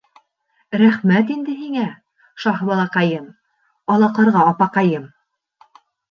Рәхмәт инде һиңә, Шаһбалаҡайым, ала ҡарға апаҡайым.